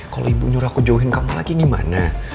kalau ibu nyuruh aku jauhin kamu lagi gimana